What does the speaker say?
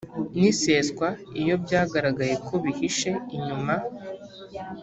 n iseswa iyo byagaragaye ko bihishe inyuma